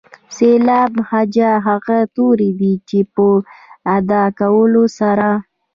سېلاب هجا هغه توري دي چې په ادا کولو سره.